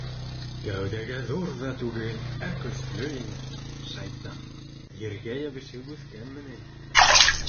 Кәүҙәгә ҙур ҙа түгел, ә көслө ине, шайтан, ергә йәбешеп үҫкәнме ни.